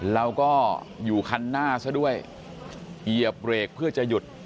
เราก็อยู่คันหน้าซะด้วยเหยียบเบรกเพื่อจะหยุด